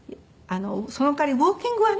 その代わりウォーキングはね